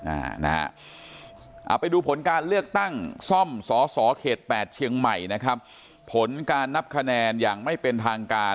เอาไปดูผลการเลือกตั้งซ่อมสสข๘เชียงใหม่ผลการนับคะแนนอย่างไม่เป็นทางการ